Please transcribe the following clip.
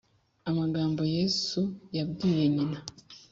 amagambo Yesu yabwiye nyina